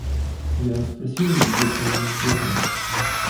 Я спросила её, чем она сделала.